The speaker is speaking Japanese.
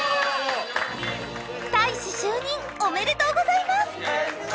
大使就任おめでとうございます！